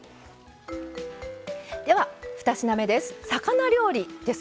では２品目です。